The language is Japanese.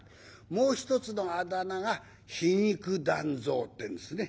もう一つのあだ名が皮肉団蔵ってんですね。